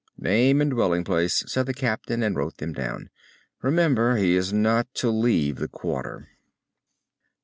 "Name and dwelling place," said the captain, and wrote them down. "Remember, he is not to leave the Quarter."